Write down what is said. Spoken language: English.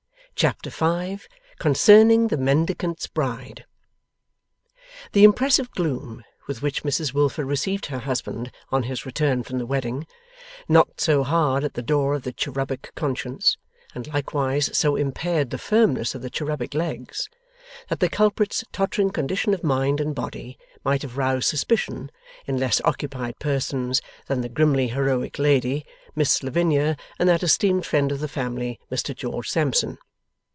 Chapter 5 CONCERNING THE MENDICANT'S BRIDE The impressive gloom with which Mrs Wilfer received her husband on his return from the wedding, knocked so hard at the door of the cherubic conscience, and likewise so impaired the firmness of the cherubic legs, that the culprit's tottering condition of mind and body might have roused suspicion in less occupied persons that the grimly heroic lady, Miss Lavinia, and that esteemed friend of the family, Mr George Sampson.